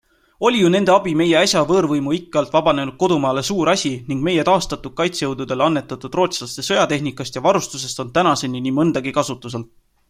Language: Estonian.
Oli ju nende abi meie äsja võõrvõimu ikke alt vabanenud kodumaale suur asi ning meie taastatud kaitsejõududele annetatud rootslaste sõjatehnikast ja -varustusest on tänaseni nii mõndagi kasutusel.